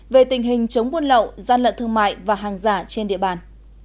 về tình hình chống buôn lậu gian lận thương mại và hàng giả trên địa bàn